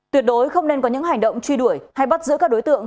tuyệt đối không nên có những hành động truy đuổi hay bắt giữ các đối tượng